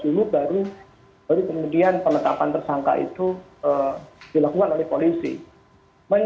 itu memang kewenangan kepolisian